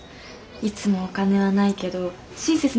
いつもお金はないけど親切な人だよ。